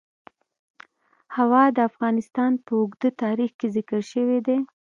هوا د افغانستان په اوږده تاریخ کې ذکر شوی دی.